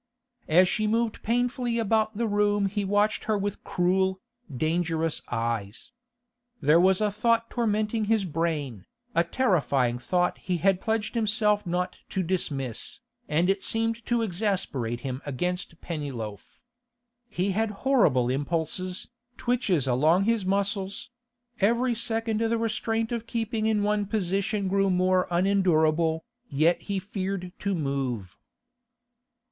As she moved painfully about the room he watched her with cruel, dangerous eyes. There was a thought tormenting his brain, a terrifying thought he had pledged himself not to dismiss, and it seemed to exasperate him against Pennyloaf. He had horrible impulses, twitches along his muscles; every second the restraint of keeping in one position grew more unendurable, yet he feared to move.